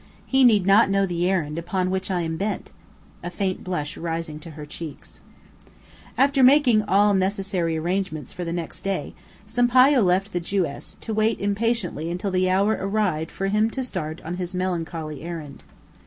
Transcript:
He need not know the errand upon which I am bent," a faint blush rising to her cheeks. After making all necessary arrangements for the next day, Sampayo left the Jewess, to wait impatiently until the hour arrived for him to start on his melancholy errand.